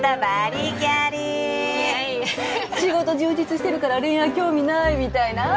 仕事充実してるから恋愛興味ない！みたいな？